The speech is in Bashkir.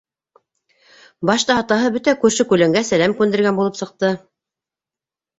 Башта атаһы бөтә күрше-күләнгә сәләм күндергән булып сыҡты.